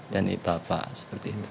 dan ibaba seperti itu